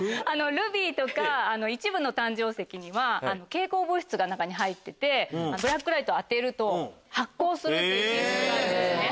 ルビーとか一部の誕生石には蛍光物質が中に入っててブラックライトを当てると発光する性質があるんですね。